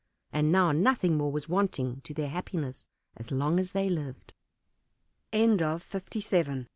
And now nothing more was wanting to their happiness as long as they lived. 58 The Dog and the